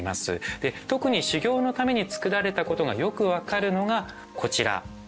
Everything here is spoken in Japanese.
で特に修行のためにつくられたことがよく分かるのがこちら。